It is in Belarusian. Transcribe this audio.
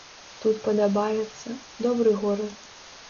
Тут падабаецца, добры горад.